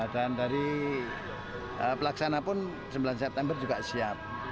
dan dari pelaksana pun sembilan september juga siap